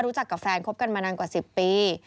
รู้จักกับแฟนคบกันมานานกว่า๑๐ปี